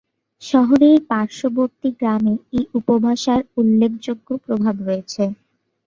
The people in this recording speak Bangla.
শহরের পার্শ্ববর্তী গ্রামে এই উপভাষার উল্লেখযোগ্য প্রভাব রয়েছে।